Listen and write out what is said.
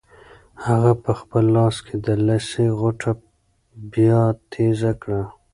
هغه په خپل لاس کې د لسي غوټه بیا تېزه کړه.